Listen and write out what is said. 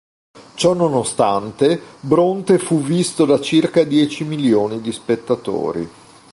Ciononostante, "Bronte" fu visto da circa dieci milioni di spettatori.